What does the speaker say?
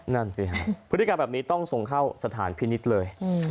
นั่นสิครับพฤติกรรมแบบนี้ต้องส่งเข้าสถานพินิษฐ์เลย